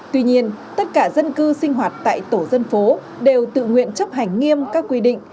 tuy nhiên tất cả dân cư sinh hoạt tại tổ dân phố đều tự nguyện chấp hành nghiêm các quy định